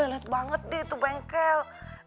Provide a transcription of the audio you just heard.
aduh lelet banget deh tuh bengkel